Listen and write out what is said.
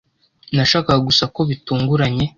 Nashakaga gusa ko bitunguranye.